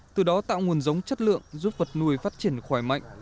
từ đó tạo nguồn giống chất lượng giúp vật nuôi phát triển khỏe mạnh